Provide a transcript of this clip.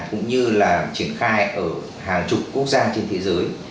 cũng như là triển khai ở hàng chục quốc gia trên thế giới